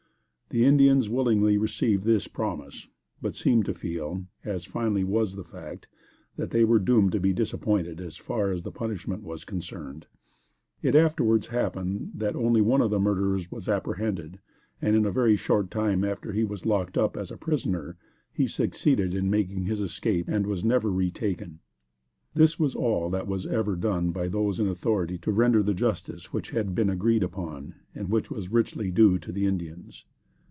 The Indians willingly received this promise, but seemed to feel, as finally was the fact, that they were doomed to be disappointed as far as the punishment was concerned. It afterwards happened that only one of the murderers was apprehended, and in a very short time after he was locked up as a prisoner, he succeeded in making his escape and was never retaken. This was all that was ever done by those in authority to render the justice that had been agreed upon and which was richly due to the Indians.